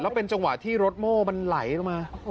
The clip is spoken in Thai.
เป็นจังหวะที่รถโม่มันไหลลงมา